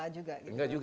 jadi gak rela juga